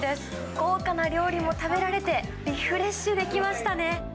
豪華な料理も食べられて、リフレッシュできましたね。